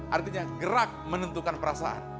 artinya gerak menentukan perasaan